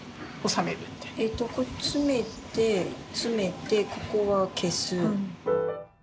詰めて詰めてここは消す。